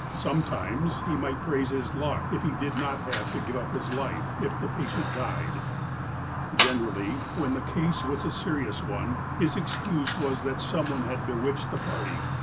Sometimes he might praise his luck if he did not have to give up his life, if the patient died. Generally, when the case was a serious one, his excuse was that some one had bewitched the party.